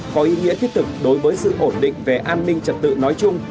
có ý nghĩa thiết thực đối với sự ổn định về an ninh trật tự nói chung